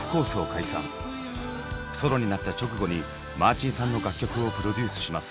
ソロになった直後にマーチンさんの楽曲をプロデュースします。